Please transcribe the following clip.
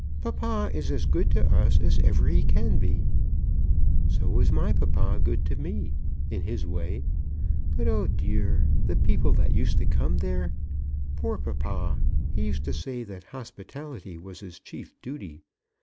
"Papa is as good to us as ever he can be." "So was my papa good to me, in his way; but, oh dear, the people that used to come there! Poor papa! He used to say that hospitality was his chief duty.